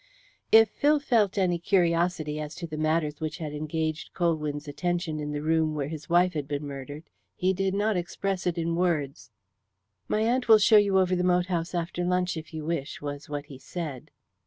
If Phil felt any curiosity as to the matters which had engaged Colwyn's attention in the room where his wife had been murdered, he did not express it in words. "My aunt will show you over the moat house after lunch, if you wish," was what he said.